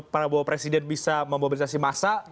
dua ratus prabowo presiden bisa memobilisasi massa